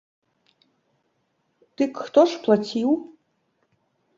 Дык хто ж плаціў?